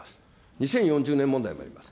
２０４０年問題もあります。